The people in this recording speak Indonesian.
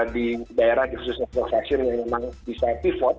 di daerah khusus eksplosasi yang memang bisa pivot